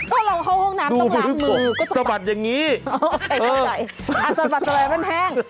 ก็เราเข้าห้องน้ำต้องล้างมือก็สะบัดอย่างนี้เข้าใจสะบัดอะไรมันแห้ง